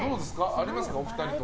ありますか、お二人とは。